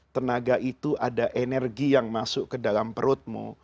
tenaga itu ada energi yang masuk ke dalam perutmu